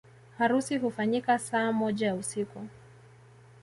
Harusi hufanyika saa moja ya usiku